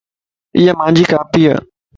ايا مان جي کاپي ا